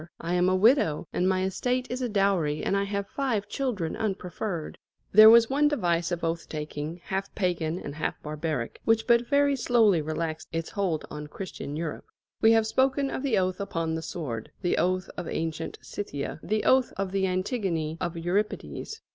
I am a widow, and my estate is a dowry, and I have five children unpreferred." There was one device of oath taking, half pagan and half barbaric, which but very slowly relaxed its hold on Christian Europe. We have spoken of the oath upon the sword the oath of ancient Scythia, the oath of the Antigone of Euripedes.